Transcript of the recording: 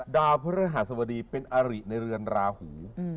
ดาวพระฤหัสบดีเป็นอริในเรือนราหู